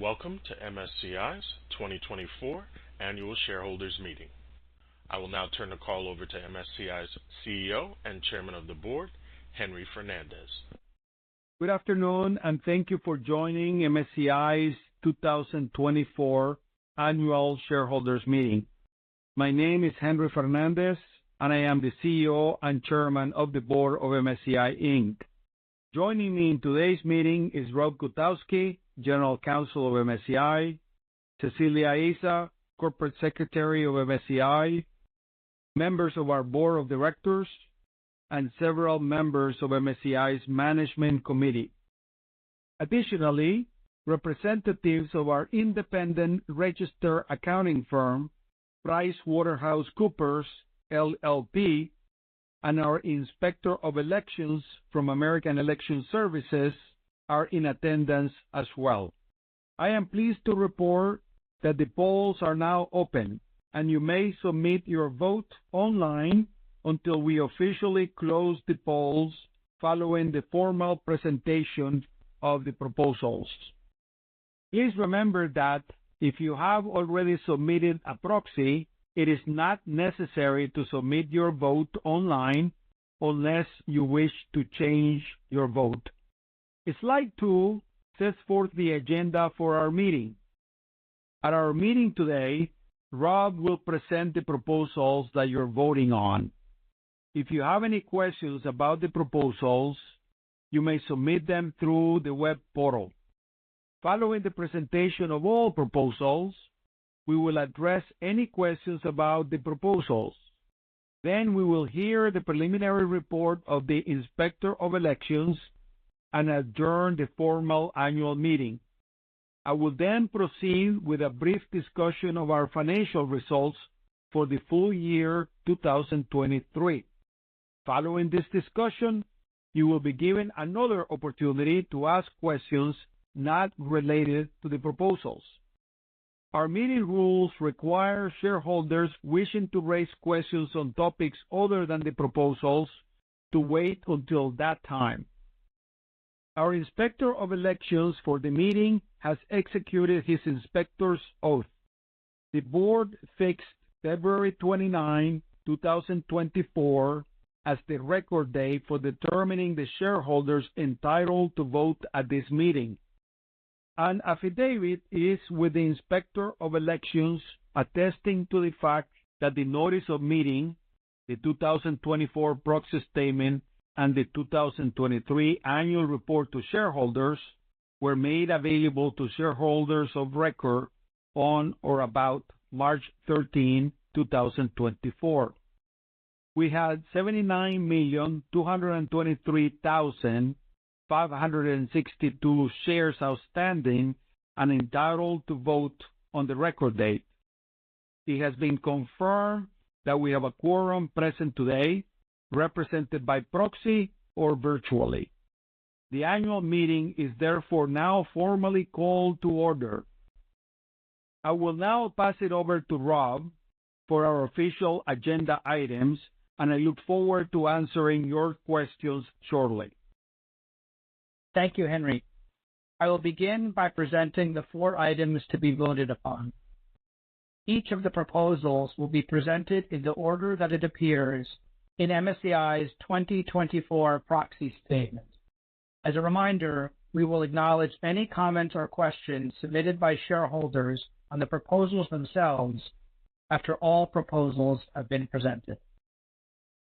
Welcome to MSCI's 2024 Annual Shareholders Meeting. I will now turn the call over to MSCI's CEO and Chairman of the Board, Henry Fernandez. Good afternoon, and thank you for joining MSCI's 2024 Annual Shareholders Meeting. My name is Henry Fernandez, and I am the CEO and Chairman of the Board of MSCI, Inc. Joining me in today's meeting is Rob Gutowski, General Counsel of MSCI, Cecilia Aza, Corporate Secretary of MSCI, members of our Board of Directors, and several members of MSCI's Management Committee. Additionally, representatives of our independent registered accounting firm, PricewaterhouseCoopers, LLP, and our Inspector of Elections from American Election Services are in attendance as well. I am pleased to report that the polls are now open, and you may submit your vote online until we officially close the polls following the formal presentation of the proposals. Please remember that if you have already submitted a proxy, it is not necessary to submit your vote online unless you wish to change your vote. Slide 2 sets forth the agenda for our meeting. At our meeting today, Rob will present the proposals that you're voting on. If you have any questions about the proposals, you may submit them through the web portal. Following the presentation of all proposals, we will address any questions about the proposals. Then we will hear the preliminary report of the Inspector of Elections and adjourn the formal annual meeting. I will then proceed with a brief discussion of our financial results for the full year 2023. Following this discussion, you will be given another opportunity to ask questions not related to the proposals. Our meeting rules require shareholders wishing to raise questions on topics other than the proposals to wait until that time. Our Inspector of Elections for the meeting has executed his inspector's oath. The board fixed February 29, 2024, as the record day for determining the shareholders entitled to vote at this meeting. An affidavit is with the Inspector of Elections attesting to the fact that the notice of meeting, the 2024 Proxy Statement, and the 2023 Annual Report to Shareholders were made available to shareholders of record on or about March 13, 2024. We had 79,223,562 shares outstanding and entitled to vote on the record date. It has been confirmed that we have a quorum present today, represented by proxy or virtually. The annual meeting is therefore now formally called to order. I will now pass it over to Rob for our official agenda items, and I look forward to answering your questions shortly. Thank you, Henry. I will begin by presenting the four items to be voted upon. Each of the proposals will be presented in the order that it appears in MSCI's 2024 Proxy Statement. As a reminder, we will acknowledge any comments or questions submitted by shareholders on the proposals themselves after all proposals have been presented.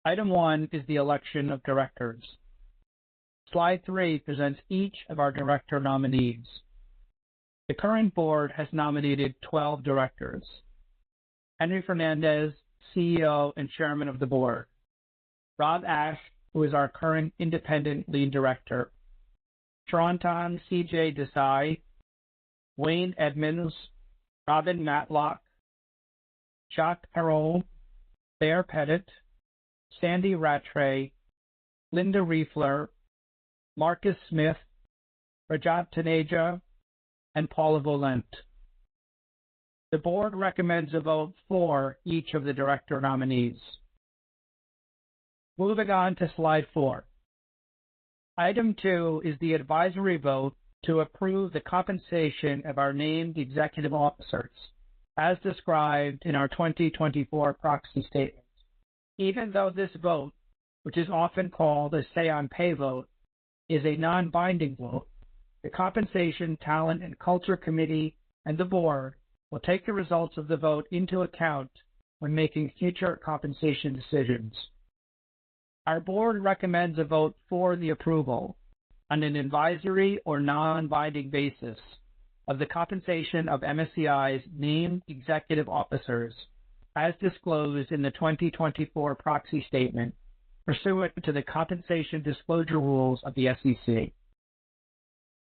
Item 1 is the election of directors. Slide 3 presents each of our director nominees. The current board has nominated 12 directors: Henry Fernandez, CEO and Chairman of the Board; Robert Ashe, who is our current independent lead director; Chirantan CJ Desai; Wayne Edmunds; Robin Matlock; Jacques Perold; Baer Pettit; Sandy Rattray; Linda Riefler; Marcus Smith; Rajat Taneja; and Paula Volent. The board recommends a vote for each of the director nominees. Moving on to Slide 4. Item 2 is the advisory vote to approve the compensation of our named executive officers, as described in our 2024 Proxy Statement. Even though this vote, which is often called a "say-on-pay" vote, is a non-binding vote, the Compensation, Talent, and Culture Committee and the board will take the results of the vote into account when making future compensation decisions. Our board recommends a vote for the approval, on an advisory or non-binding basis, of the compensation of MSCI's named executive officers, as disclosed in the 2024 Proxy Statement, pursuant to the compensation disclosure rules of the SEC.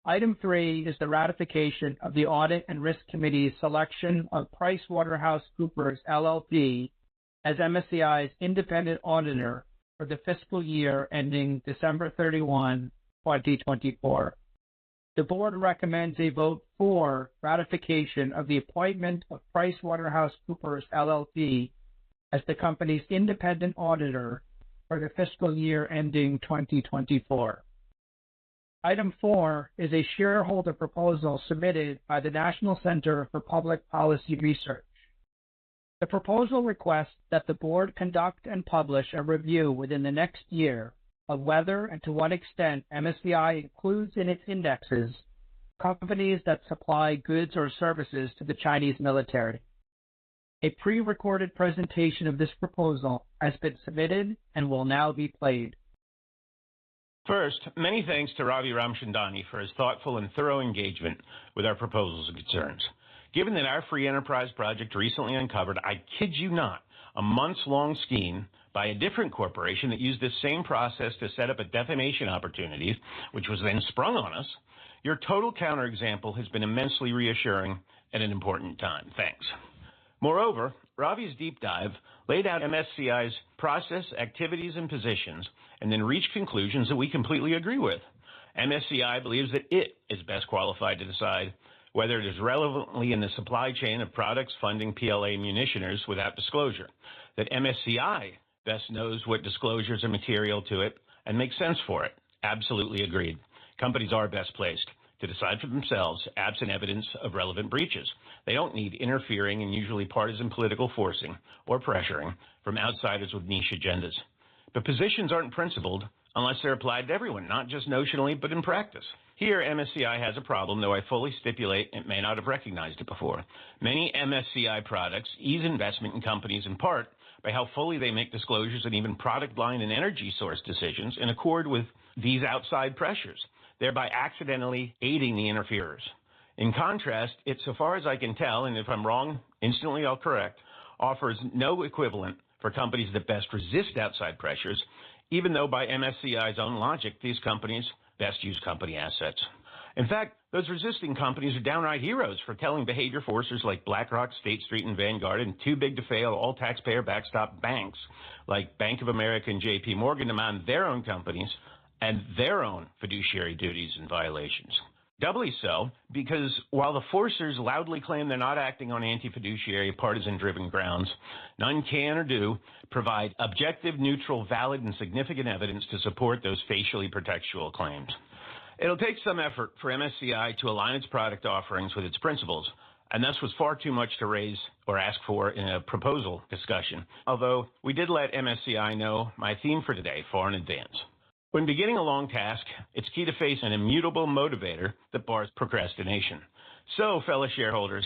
Item 3 is the ratification of the Audit and Risk Committee's selection of PricewaterhouseCoopers, LLP, as MSCI's independent auditor for the fiscal year ending December 31, 2024. The board recommends a vote for ratification of the appointment of PricewaterhouseCoopers, LLP, as the company's independent auditor for the fiscal year ending 2024. Item 4 is a shareholder proposal submitted by the National Center for Public Policy Research. The proposal requests that the board conduct and publish a review within the next year of whether and to what extent MSCI includes in its indexes companies that supply goods or services to the Chinese military. A prerecorded presentation of this proposal has been submitted and will now be played. First, many thanks to Ravi Ramchandani for his thoughtful and thorough engagement with our proposals and concerns. Given that our Free Enterprise Project recently uncovered - I kid you not - a months-long scheme by a different corporation that used this same process to set up a defamation opportunity, which was then sprung on us, your total counterexample has been immensely reassuring at an important time. Thanks. Moreover, Ravi's deep dive laid out MSCI's process, activities, and positions, and then reached conclusions that we completely agree with. MSCI believes that it is best qualified to decide whether it is relevantly in the supply chain of products funding PLA munitioners without disclosure, that MSCI best knows what disclosures are material to it, and makes sense for it. Absolutely agreed. Companies are best placed to decide for themselves, absent evidence of relevant breaches. They don't need interfering and usually partisan political forcing or pressuring from outsiders with niche agendas. But positions aren't principled unless they're applied to everyone, not just notionally but in practice. Here, MSCI has a problem, though I fully stipulate it may not have recognized it before. Many MSCI products ease investment in companies in part by how fully they make disclosures and even product line and energy source decisions in accord with these outside pressures, thereby accidentally aiding the interferers. In contrast, it, so far as I can tell, and if I'm wrong, instantly I'll correct, offers no equivalent for companies that best resist outside pressures, even though by MSCI's own logic these companies best use company assets. In fact, those resisting companies are downright heroes for telling behavior forcers like BlackRock, State Street, and Vanguard in "Too Big to Fail, All-Taxpayer-Backstopped Banks" like Bank of America and JPMorgan to mind their own companies and their own fiduciary duties and violations. Doubly so, because while the forcers loudly claim they're not acting on anti-fiduciary, partisan-driven grounds, none can or do provide objective, neutral, valid, and significant evidence to support those facially pretextual claims. It'll take some effort for MSCI to align its product offerings with its principles, and this was far too much to raise or ask for in a proposal discussion, although we did let MSCI know my theme for today far in advance. When beginning a long task, it's key to face an immutable motivator that bars procrastination. So, fellow shareholders,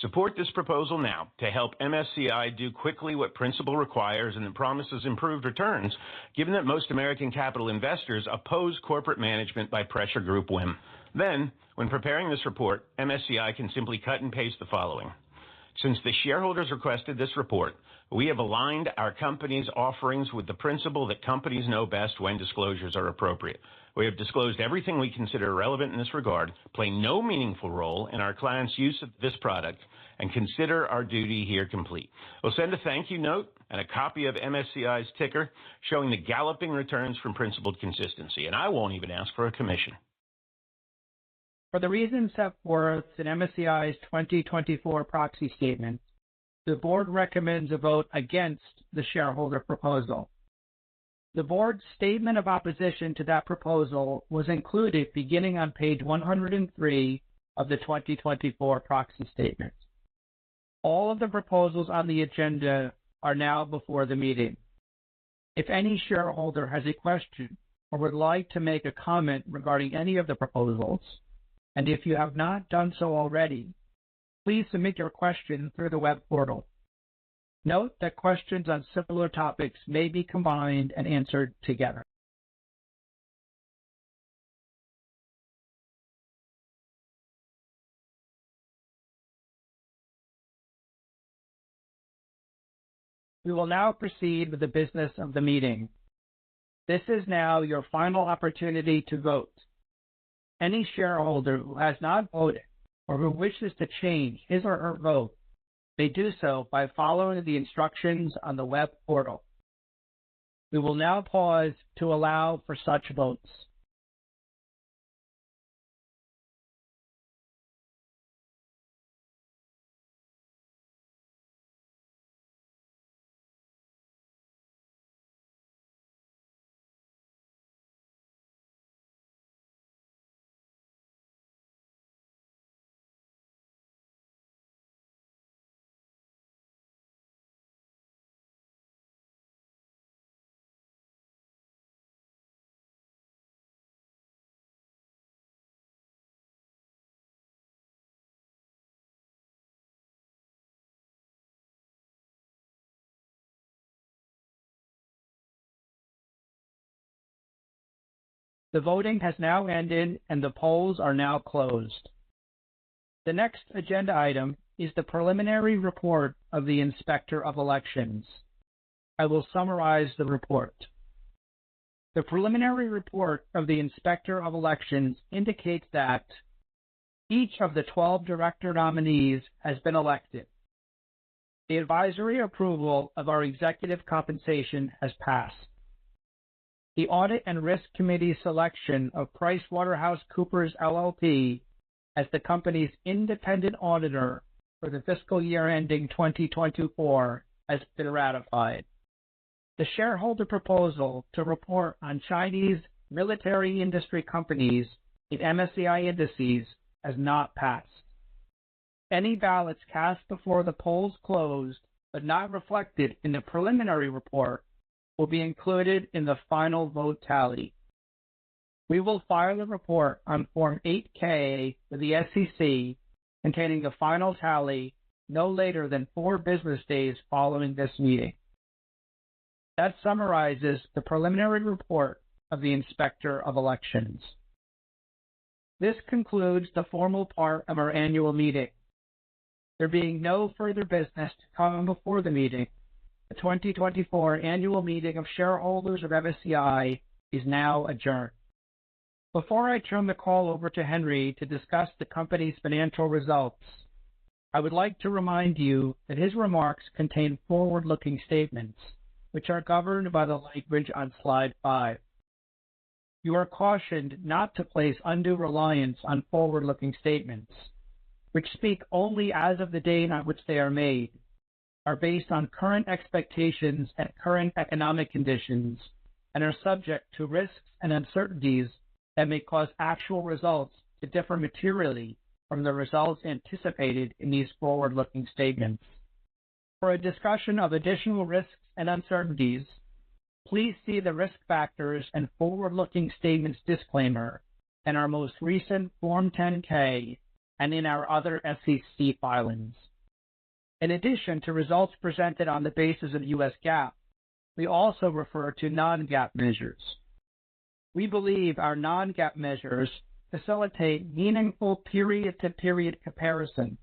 support this proposal now to help MSCI do quickly what principle requires and that promises improved returns, given that most American capital investors oppose corporate management by pressure group whim. Then, when preparing this report, MSCI can simply cut and paste the following: Since the shareholders requested this report, we have aligned our company's offerings with the principle that companies know best when disclosures are appropriate. We have disclosed everything we consider relevant in this regard, play no meaningful role in our clients' use of this product, and consider our duty here complete. We'll send a thank-you note and a copy of MSCI's ticker showing the galloping returns from principled consistency, and I won't even ask for a commission. For the reasons set forth in MSCI's 2024 Proxy Statement, the board recommends a vote against the shareholder proposal. The board's statement of opposition to that proposal was included beginning on page 103 of the 2024 Proxy Statement. All of the proposals on the agenda are now before the meeting. If any shareholder has a question or would like to make a comment regarding any of the proposals, and if you have not done so already, please submit your question through the web portal. Note that questions on similar topics may be combined and answered together. We will now proceed with the business of the meeting. This is now your final opportunity to vote. Any shareholder who has not voted or who wishes to change his or her vote, may do so by following the instructions on the web portal. We will now pause to allow for such votes. The voting has now ended, and the polls are now closed. The next agenda item is the preliminary report of the Inspector of Elections. I will summarize the report. The preliminary report of the Inspector of Elections indicates that: Each of the 12 director nominees has been elected. The advisory approval of our executive compensation has passed. The Audit and Risk Committee's selection of PricewaterhouseCoopers, LLP, as the company's independent auditor for the fiscal year ending 2024, has been ratified. The shareholder proposal to report on Chinese military industry companies in MSCI indices has not passed. Any ballots cast before the polls closed but not reflected in the preliminary report will be included in the final vote tally. We will file the report on Form 8-K to the SEC, containing the final tally, no later than four business days following this meeting. That summarizes the preliminary report of the Inspector of Elections. This concludes the formal part of our annual meeting. There being no further business to come before the meeting, the 2024 annual meeting of shareholders of MSCI is now adjourned. Before I turn the call over to Henry to discuss the company's financial results, I would like to remind you that his remarks contain forward-looking statements, which are governed by the language on Slide 5. You are cautioned not to place undue reliance on forward-looking statements, which speak only as of the day on which they are made, are based on current expectations and current economic conditions, and are subject to risks and uncertainties that may cause actual results to differ materially from the results anticipated in these forward-looking statements. For a discussion of additional risks and uncertainties, please see the risk factors and forward-looking statements disclaimer in our most recent Form 10-K and in our other SEC filings. In addition to results presented on the basis of U.S. GAAP, we also refer to non-GAAP measures. We believe our non-GAAP measures facilitate meaningful period-to-period comparisons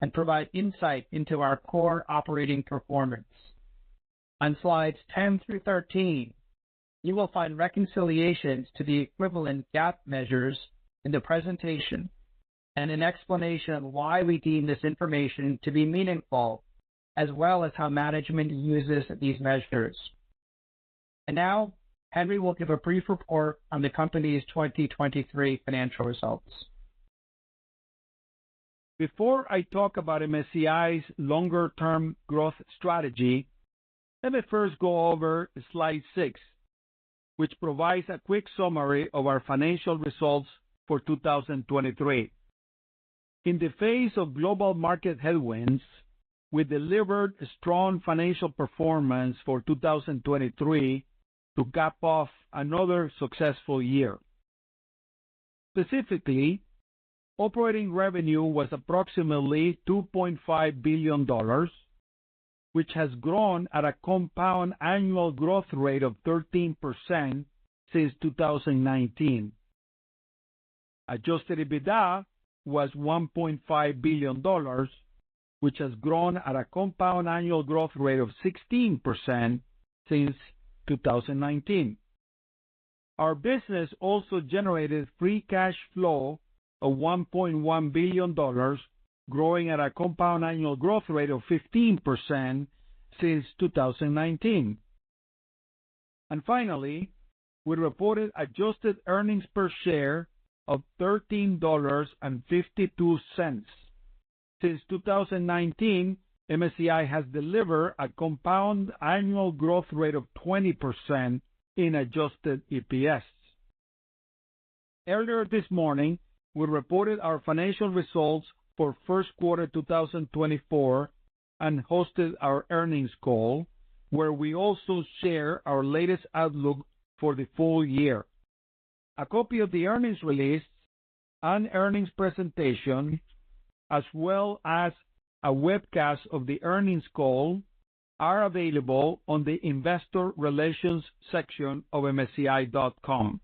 and provide insight into our core operating performance. On Slides 10 through 13, you will find reconciliations to the equivalent GAAP measures in the presentation and an explanation of why we deem this information to be meaningful, as well as how management uses these measures. Now, Henry will give a brief report on the company's 2023 financial results. Before I talk about MSCI's longer-term growth strategy, let me first go over Slide 6, which provides a quick summary of our financial results for 2023. In the face of global market headwinds, we delivered strong financial performance for 2023 to cap off another successful year. Specifically, operating revenue was approximately $2.5 billion, which has grown at a compound annual growth rate of 13% since 2019. Adjusted EBITDA was $1.5 billion, which has grown at a compound annual growth rate of 16% since 2019. Our business also generated Free Cash Flow of $1.1 billion, growing at a compound annual growth rate of 15% since 2019. Finally, we reported adjusted earnings per share of $13.52. Since 2019, MSCI has delivered a compound annual growth rate of 20% in adjusted EPS. Earlier this morning, we reported our financial results for Q1 2024 and hosted our earnings call, where we also share our latest outlook for the full year. A copy of the earnings release and earnings presentation, as well as a webcast of the earnings call, are available on the Investor Relations section of MSCI.com.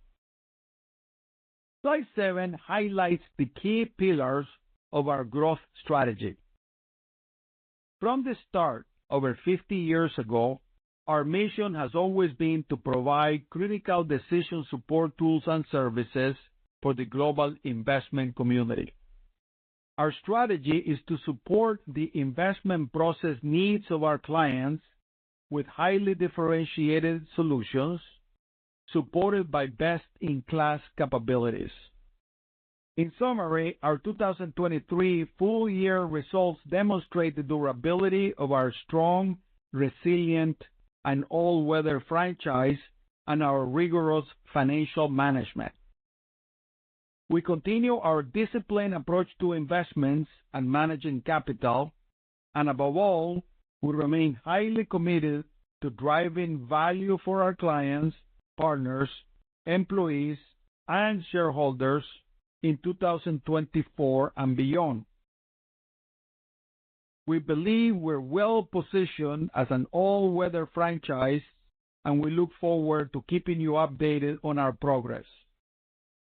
Slide 7 highlights the key pillars of our growth strategy. From the start, over 50 years ago, our mission has always been to provide critical decision support tools and services for the global investment community. Our strategy is to support the investment process needs of our clients with highly differentiated solutions, supported by best-in-class capabilities. In summary, our 2023 full-year results demonstrate the durability of our strong, resilient, and all-weather franchise and our rigorous financial management. We continue our disciplined approach to investments and managing capital, and above all, we remain highly committed to driving value for our clients, partners, employees, and shareholders in 2024 and beyond. We believe we're well positioned as an all-weather franchise, and we look forward to keeping you updated on our progress.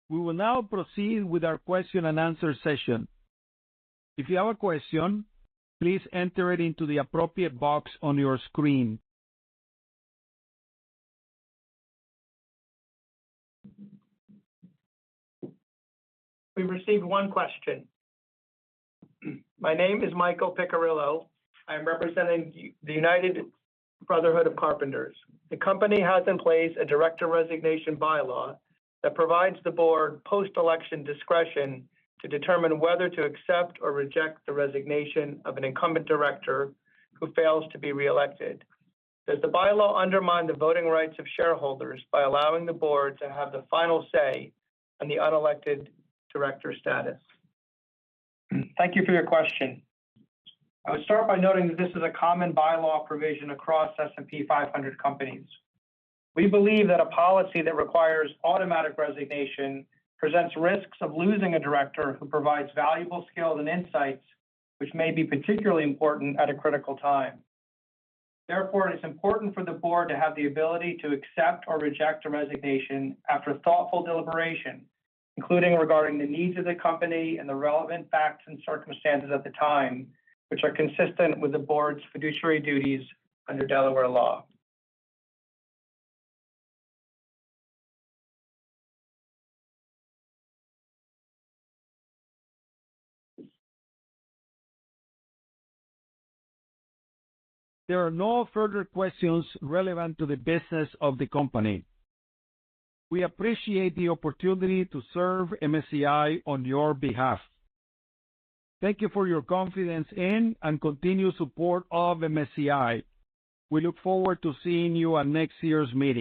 We will now proceed with our Q&A session. If you have a question, please enter it into the appropriate box on your screen. We received one question. My name is Michael Piccirillo. I am representing the United Brotherhood of Carpenters. The company has in place a Director Resignation Bylaw that provides the board post-election discretion to determine whether to accept or reject the resignation of an incumbent director who fails to be reelected. Does the bylaw undermine the voting rights of shareholders by allowing the board to have the final say on the unelected director status? Thank you for your question. I would start by noting that this is a common bylaw provision across S&P 500 companies. We believe that a policy that requires automatic resignation presents risks of losing a director who provides valuable skills and insights, which may be particularly important at a critical time. Therefore, it is important for the board to have the ability to accept or reject a resignation after thoughtful deliberation, including regarding the needs of the company and the relevant facts and circumstances at the time, which are consistent with the board's fiduciary duties under Delaware law. There are no further questions relevant to the business of the company. We appreciate the opportunity to serve MSCI on your behalf. Thank you for your confidence in and continued support of MSCI. We look forward to seeing you on next year's meeting.